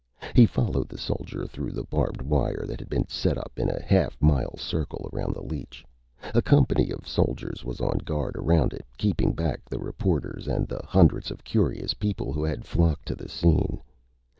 He followed the soldier through the barbed wire that had been set up in a half mile circle around the leech. A company of soldiers was on guard around it, keeping back the reporters and the hundreds of curious people who had flocked to the scene.